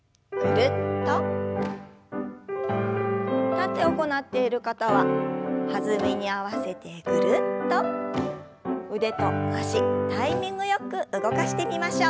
立って行っている方は弾みに合わせてぐるっと腕と脚タイミングよく動かしてみましょう。